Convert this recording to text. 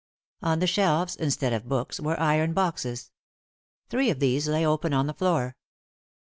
On the shelves, instead of books, were iron boxes. Three of these lay open on the floor.